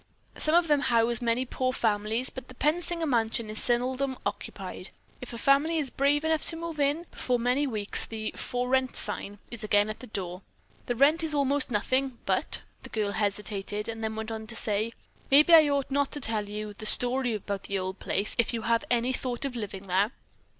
"Some of them house many poor families, but the Pensinger mansion is seldom occupied. If a family is brave enough to move in, before many weeks the 'for rent' sign is again at the door. The rent is almost nothing, but " the girl hesitated, then went on to say, "Maybe I ought not to tell you the story about the old place if you have any thought of living there."